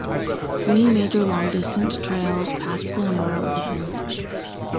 Three major long-distance trails pass within a mile of the village.